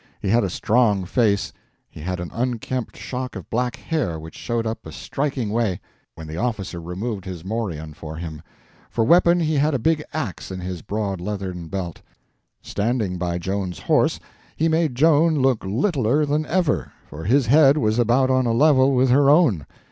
He had a strong face; he had an unkempt shock of black hair which showed up a striking way when the officer removed his morion for him; for weapon he had a big ax in his broad leathern belt. Standing by Joan's horse, he made Joan look littler than ever, for his head was about on a level with her own.